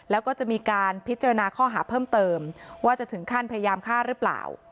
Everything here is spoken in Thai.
แล้วก็จะมีการพิจารณาข้อหาเพิ่มเติมว่าจะถึงขั้นพยายามฆ่าหรือเปล่า